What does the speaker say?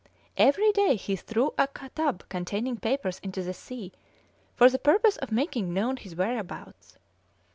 Every day he threw a tub containing papers into the sea, for the purpose of making known his whereabouts.